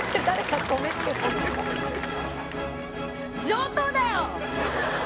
上等だよ！